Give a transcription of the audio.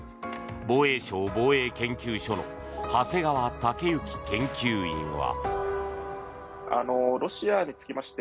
防衛省防衛研究所の長谷川雄之研究員は。